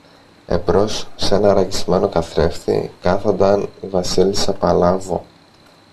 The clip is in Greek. Εμπρός σ' ένα ραγισμένο καθρέφτη κάθονταν η Βασίλισσα Παλάβω.